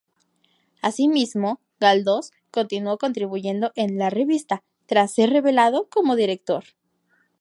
Así mismo, Galdós continuó contribuyendo en "La Revista" tras ser relevado como director.